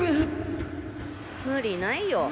無理ないよ。